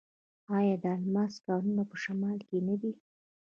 آیا د الماس کانونه په شمال کې نه دي؟